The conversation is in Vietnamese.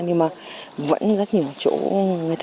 nhưng mà vẫn rất nhiều chỗ